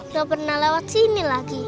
gak pernah lewat sini lagi